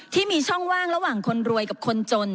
ที่มีช่องว่างระหว่างคนรวยกับคนจน